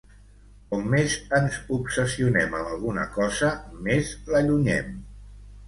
Com més ens obsessionem amb alguna cosa, més l'allunyem.